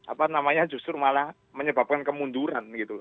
apa namanya justru malah menyebabkan kemunduran gitu